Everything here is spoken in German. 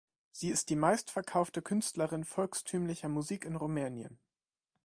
Sie ist die meistverkaufte Künstlerin volkstümlicher Musik in Rumänien.